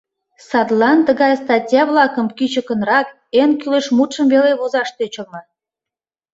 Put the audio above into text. Садлан тыгай статья-влакым кӱчыкынрак, эн кӱлеш мутшым веле возаш тӧчылмӧ.